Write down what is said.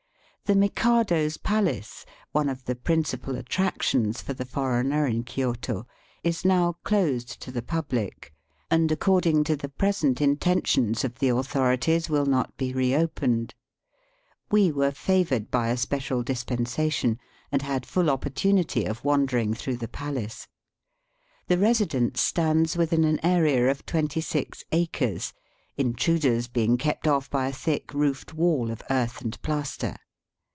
The Mikado's palace, one of the principal attractions for the foreigner in Kioto, is now closed to the public, and, according to the pre sent intentions of the authorities, will not be reopened. We were favoured by a special dispensation, and had full opportunity of wandering through the palace. The residence stands within an area of twenty six acres, intruders being kept off by a thick roofed wall of earth and plaster.